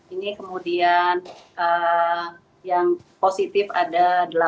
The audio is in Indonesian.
ini kemudian yang positif ada delapan puluh lima